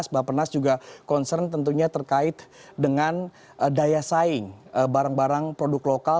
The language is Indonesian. bapak penas juga concern tentunya terkait dengan daya saing barang barang produk lokal